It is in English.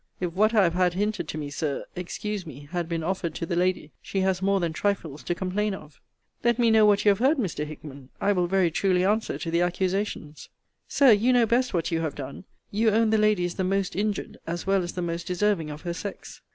If what I have had hinted to me, Sir excuse me had been offered to the lady, she has more than trifles to complain of. Let me know what you have heard, Mr. Hickman? I will very truly answer to the accusations. Sir, you know best what you have done: you own the lady is the most injured, as well as the most deserving of her sex.